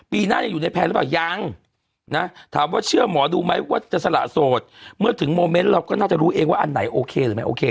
หน้ายังอยู่ในแผนหรือเปล่ายังนะถามว่าเชื่อหมอดูไหมว่าจะสละโสดเมื่อถึงโมเมนต์เราก็น่าจะรู้เองว่าอันไหนโอเคหรือไม่โอเค